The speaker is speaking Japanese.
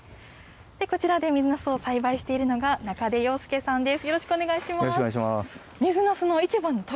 こちらで水なすを栽培しているのが、中出庸介さんです。